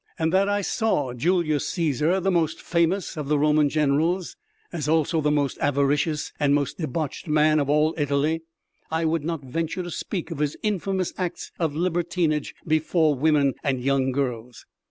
and that I saw ... Julius Cæsar ... the most famous of the Roman generals, as also the most avaricious and the most debauched man of all Italy. I would not venture to speak of his infamous acts of libertinage before women and young girls."